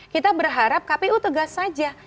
kita berharap kpu tegas saja